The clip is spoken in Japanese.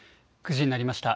９時になりました。